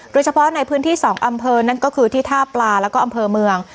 โดยเฉพาะในพื้นที่๒อำเภอนั่นก็คือที่ท่าปลาแล้วก็อำเภอเมือง